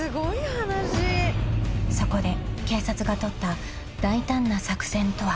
［そこで警察が取った大胆な作戦とは？］